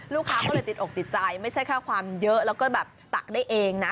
ลูกค้าก็เลยติดอกติดใจไม่ใช่แค่ความเยอะแล้วก็แบบตักได้เองนะ